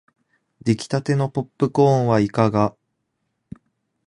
できたてのポップコーンはいかが